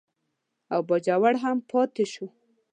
او باجوړ هم پاتې شو.